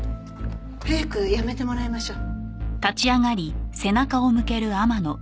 早く辞めてもらいましょう。